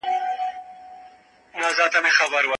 هغه چا چې دا ویډیو جوړه کړې ډېر زحمت یې ایستلی.